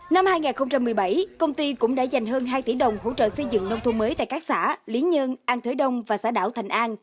năm hai nghìn một mươi bảy công ty cũng đã dành hơn hai tỷ đồng hỗ trợ xây dựng nông thôn mới tại các xã lý nhơn an thới đông và xã đảo thành an